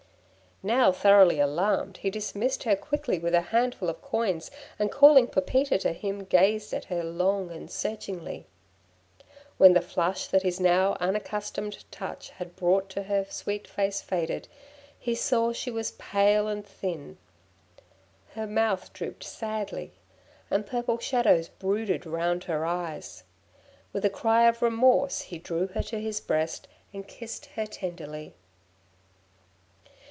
Now thoroughly alarmed, he dismissed her quickly with a handful of coins, and calling Pepita to him, gazed at her long and searchingly. When the flush that his now unaccustomed touch had brought to her sweet face faded, he saw she was pale and thin. Her mouth drooped sadly, and purple shadows brooded round her eyes. With a cry of remorse he drew her to his breast, and kissed her tenderly.